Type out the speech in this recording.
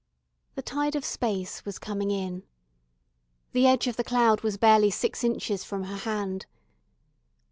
The tide of space was coming in. The edge of the cloud was barely six inches from her hand.